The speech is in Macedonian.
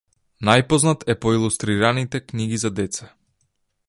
Најпознат е по илустрираните книги за деца.